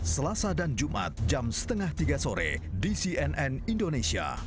selasa dan jumat jam setengah tiga sore di cnn indonesia